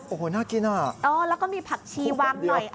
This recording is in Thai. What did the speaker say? โอ้โหน่ากินอ่ะเออแล้วก็มีผักชีวางหน่อย